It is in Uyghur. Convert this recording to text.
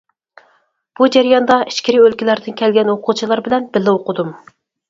بۇ جەرياندا ئىچكىرى ئۆلكىلەردىن كەلگەن ئوقۇغۇچىلار بىلەن بىللە ئوقۇدۇم.